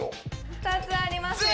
２つありますよ